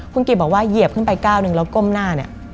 คุณกิบอกว่าเหยียบขึ้นไปก้าวหนึ่งแล้วก้มหน้าเนี่ย